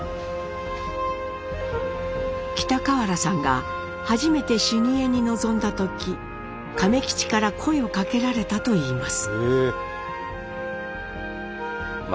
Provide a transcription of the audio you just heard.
北河原さんが初めて修二会に臨んだ時亀吉から声をかけられたといいます。